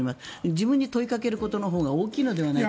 自分に問いかけることのほうが大きいのではないかと。